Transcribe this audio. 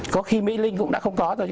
có khi mỹ linh cũng đã không có rồi